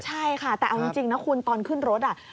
ใช่ค่ะแต่เอาจริงนะคุณตอนขึ้นรถ